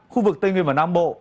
khu vực tây nguyên và nam bộ